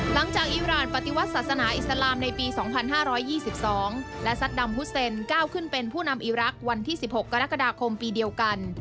อีรานปฏิวัติศาสนาอิสลามในปี๒๕๒๒และซัดดำฮุเซนก้าวขึ้นเป็นผู้นำอีรักษ์วันที่๑๖กรกฎาคมปีเดียวกัน